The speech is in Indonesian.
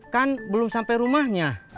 kan belum sampai rumahnya